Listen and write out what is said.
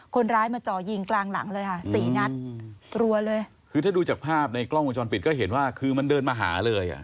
คนร้ายมาจ่อยิงกลางหลังเลยค่ะสี่นัดรัวเลยคือถ้าดูจากภาพในกล้องวงจรปิดก็เห็นว่าคือมันเดินมาหาเลยอ่ะ